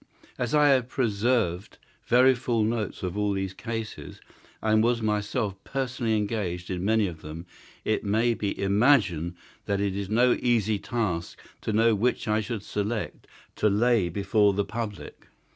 As I have preserved very full notes of all these cases, and was myself personally engaged in many of them, it may be imagined that it is no easy task to know which I should select to lay before the public.